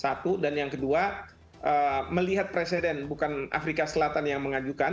satu dan yang kedua melihat presiden bukan afrika selatan yang mengajukan